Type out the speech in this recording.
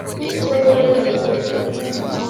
ese wowe bimeze bit?